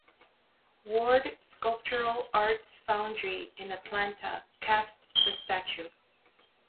Ward Sculptural Arts Foundry in Atlanta cast the statue.